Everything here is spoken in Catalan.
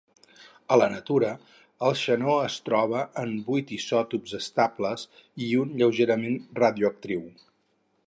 A la natura, el xenó es troba en vuit isòtops estables i un lleugerament radioactiu.